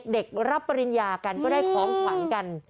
เด็กรับปริญญากันก็ได้ของขวัญกัน